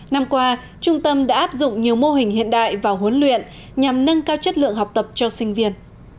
năm qua trung tâm đã áp dụng nhiều mô hình hiện đại vào huấn luyện nhằm nâng cao chất lượng học tập cho sinh viên